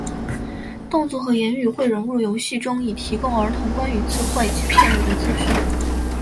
动作和言语会融入游戏中以提供儿童关于字汇及片语的资讯。